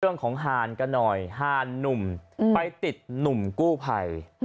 เรื่องของหานกันหน่อยฮ่านหนุ่มไปติดหนุ่มกู้ภัย